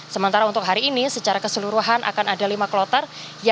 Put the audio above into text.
sementara untuk hari ini secara keseluruhan akan ada lima kloter